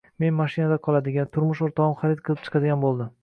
Men mashinada qoladigan, turmush o`rtog`im xarid qilib chiqadigan bo`ldi